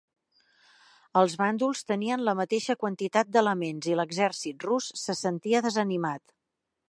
Els bàndols tenien la mateixa quantitat d'elements i l'exèrcit rus se sentia desanimat.